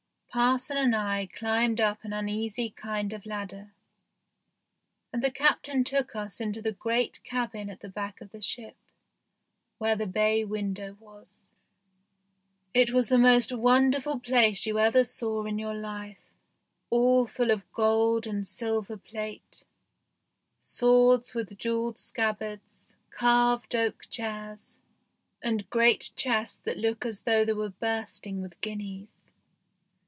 Parson and I climbed up an uneasy kind of ladder, and the Captain took us into the great cabin at the back of the ship, where the bay window was. It was the most wonderful place you ever saw in your life, THE GHOST SHIP 13 all full of gold and silver plate, swords with jewelled scabbards, carved oak chairs, and great chests that look as though they were bursting with guineas.